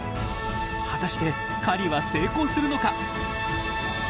果たして狩りは成功するのか？